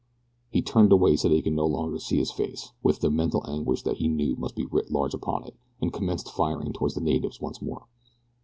He turned away so that they could no longer see his face, with the mental anguish that he knew must be writ large upon it, and commenced firing toward the natives once more.